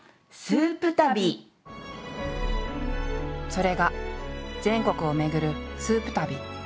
それが全国を巡るスープ旅。